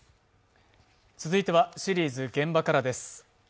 続いてはシリーズ「現場から」です。